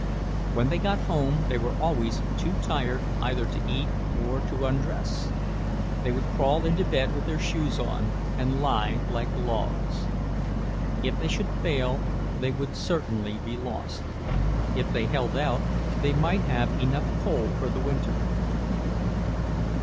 When they got home they were always too tired either to eat or to undress; they would crawl into bed with their shoes on, and lie like logs. If they should fail, they would certainly be lost; if they held out, they might have enough coal for the winter.